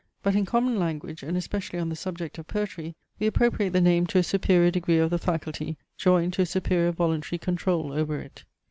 But, in common language, and especially on the subject of poetry, we appropriate the name to a superior degree of the faculty, joined to a superior voluntary control over it.